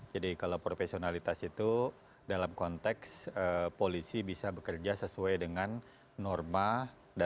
jadi kalau profesionalitas itu dalam konteks polisi bisa bekerja sesuai dengan norma dan peraturan yang ada